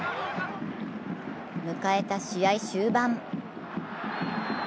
迎えた試合終盤。